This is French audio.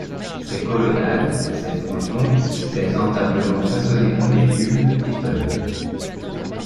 Ces colonnades, ces frontons, ces entablements façonnés par l’écume, étonnent.